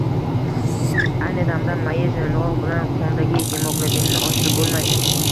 Ayni damda mayiz-yong`oq bilan qondagi gemoglabinni oshirib bo`lmaydi